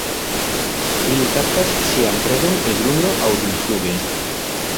Ili kaptas sian predon el grundo aŭ dumfluge.